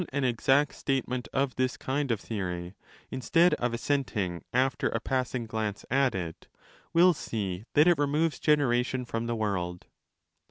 Any one then who insists upon an exact statement of this kind of theory,' instead of assenting after a passing glance at it, will see that it removes generation from the world.